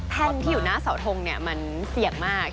ที่อยู่หน้าเสาทงเนี่ยมันเสี่ยงมาก